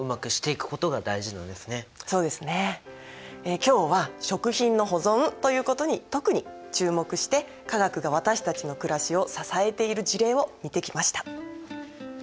今日は食品の保存ということに特に注目して化学が私たちのくらしを支えている事例を見てきました。